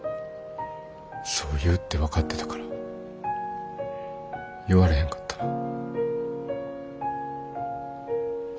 そう言うって分かってたから言われへんかった。